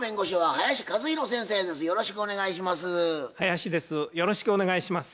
林です。